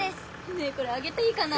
ねえこれあげていいかな？